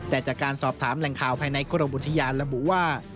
แต่จากการสอบถามแหล่งข่าวภายในกรมอุทยานระบุว่า